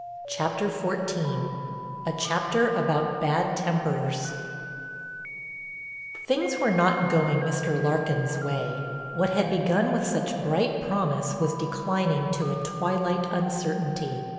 CHAPTER XIV—A CHAPTER ABOUT BAD TEMPERS Things were not going Mr. Larkin's way. What had begun with such bright promise was declining to a twilight uncertainty.